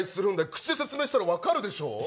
口で説明したら分かるでしょう？